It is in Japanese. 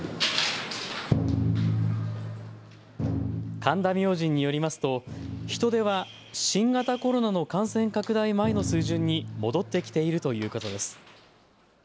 神田明神によりますと人出は新型コロナの感染拡大前の水準に戻ってきているということです。